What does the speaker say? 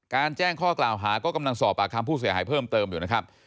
แจ้งข้อกล่าวหาก็กำลังสอบปากคำผู้เสียหายเพิ่มเติมอยู่นะครับ